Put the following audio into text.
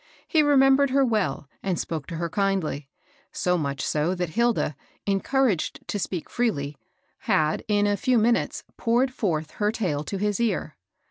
He remembered her well, and spoke to her kindly ; so much so that Hilda, en couraged to speak freely, had in a few minutes poured forth her tale to his ear.